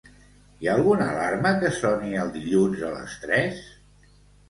Hi ha alguna alarma que soni el dilluns a les tres?